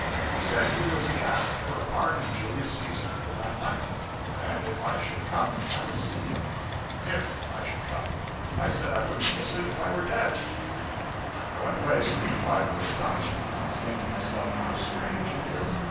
He said he was cast for a part in Julius Caesar, for that night, and if I should come I would see him. If I should come! I said I wouldn't miss it if I were dead. I went away stupefied with astonishment, and saying to myself, 'How strange it is!